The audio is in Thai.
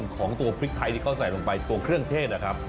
อ๋อก็พอปาร่ะครับ